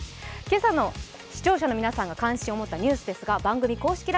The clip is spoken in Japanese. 今朝の視聴者の皆さんが関心を持ったニュースですが番組公式